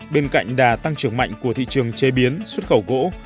bên cạnh đà tăng trưởng mạnh của thị trường chế biến xuất khẩu gỗ